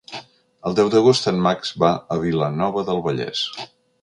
El deu d'agost en Max va a Vilanova del Vallès.